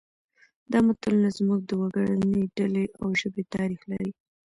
دا متلونه زموږ د وګړنۍ ډلې او ژبې تاریخ لري